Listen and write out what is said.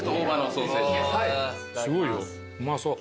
すごいようまそう。